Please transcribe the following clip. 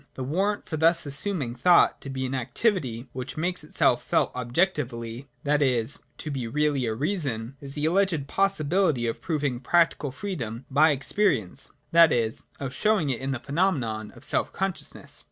The warrant for thus assuming thought to be an activity which makes itself felt objectively, that is, to be really a Reason, is the alleged possibility of proving practical freedom by ex perience, that is, of showing it in the phenomenon of self consciousness.